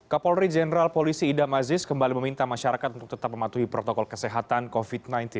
kapolri jenderal polisi idam aziz kembali meminta masyarakat untuk tetap mematuhi protokol kesehatan covid sembilan belas